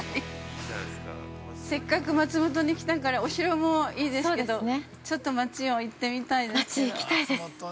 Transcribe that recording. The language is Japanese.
◆せっかく松本に来たからお城もいいですけれどもちょっと町を行ってみたいですけど。